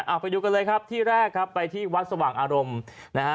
เอาไปดูกันเลยครับที่แรกครับไปที่วัดสว่างอารมณ์นะฮะ